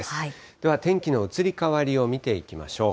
では天気の移り変わりを見ていきましょう。